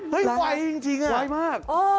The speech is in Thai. เฮ้ยไหวจริงอะไหวมาก